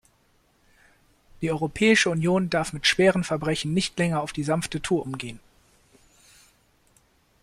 Die Europäische Union darf mit schweren Verbrechen nicht länger auf die sanfte Tour umgehen.